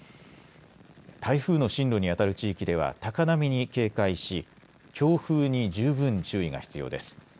台風の進路にあたる地域では高波に警戒し強風に十分注意が必要です。